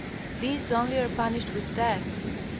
These only are punished with death.